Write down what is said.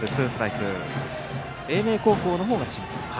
英明高校の方が心配だと。